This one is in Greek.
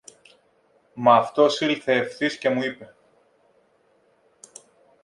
Μ' αυτός ήλθε ευθύς και μου είπε